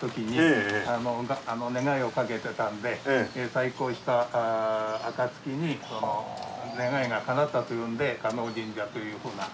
再興した暁に願いが叶ったというんで叶神社というふうな。